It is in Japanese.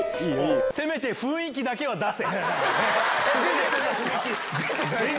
せめて雰囲気だけは出せ。